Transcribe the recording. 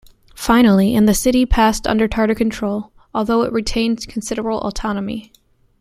Finally, in the city passed under Tatar control, although it retained considerable autonomy.